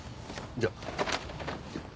じゃあ。